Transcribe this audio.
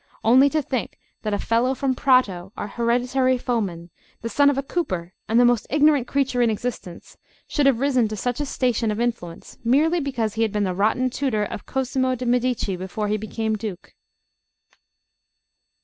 Only to think that a fellow from Prato, our hereditary foeman, the son of a cooper, and the most ignorant creature in existence, should have risen to such a station of influence, merely because he had been the rotten tutor of Cosimo de' Medici before he became Duke!